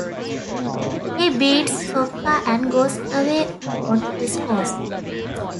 He beats Sofka and goes away on his horse.